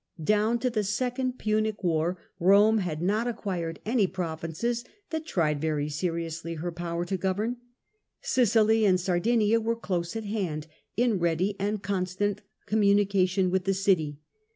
Down to the Second Punic War, Rome had not acquired any provinces that tried very seriously her power to govern. Sicily and Sardinia were close at hand, in ready and constant communication with the city.